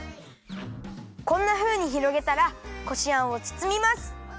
こんなふうにひろげたらこしあんをつつみます。